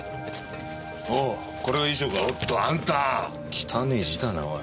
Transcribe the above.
汚え字だなおい。